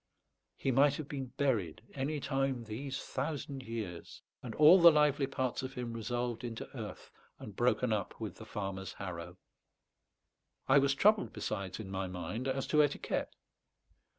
He might have been buried any time these thousand years, and all the lively parts of him resolved into earth and broken up with the farmer's harrow. I was troubled besides in my mind as to etiquette.